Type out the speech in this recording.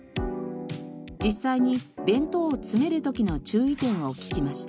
実際に弁当を詰める時の注意点を聞きました。